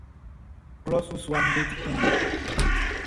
Klɔʼn su suaʼm be ti tɛnndɛn.